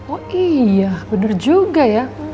oh iya benar juga ya